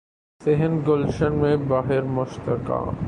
صحن گلشن میں بہر مشتاقاں